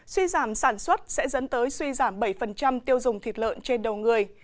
suy giảm sản xuất sẽ dẫn tới suy giảm bảy tiêu dùng thịt lợn trên đầu người